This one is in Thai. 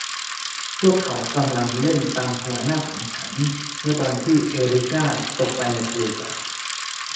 พวกเขากำลังเล่นตามหัวหน้าของฉัน เมื่อตอนที่เอริก้าตกไปในทะเลสาบ